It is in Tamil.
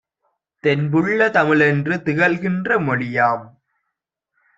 தென்புள்ள தமிழென்று திகழ்கின்ற மொழியாம்.